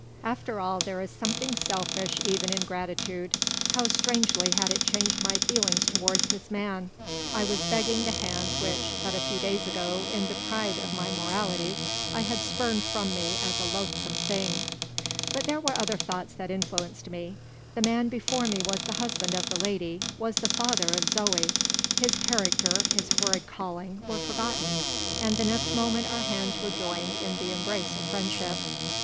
After all, there is something selfish even in gratitude. How strangely had it changed my feelings towards this man! I was begging the hand which, but a few days before, in the pride of my morality, I had spurned from me as a loathsome thing. But there were other thoughts that influenced me. The man before me was the husband of the lady; was the father of Zoe. His character, his horrid calling, were forgotten; and the next moment our hands were joined in the embrace of friendship.